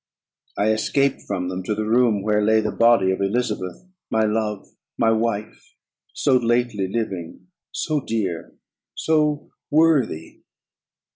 I escaped from them to the room where lay the body of Elizabeth, my love, my wife, so lately living, so dear, so worthy.